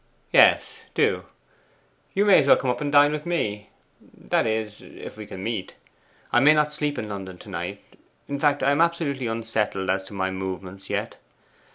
'Yes, do. You may as well come and dine with me; that is, if we can meet. I may not sleep in London to night; in fact, I am absolutely unsettled as to my movements yet.